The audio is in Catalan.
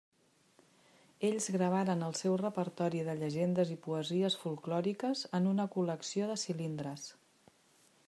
Ells gravaren el seu repertori de llegendes i poesies folklòriques en una col·lecció de cilindres.